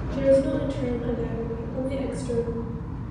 There is no internal anatomy, only external.